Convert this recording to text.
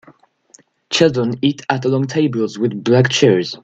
Children eat at a long table with black chairs.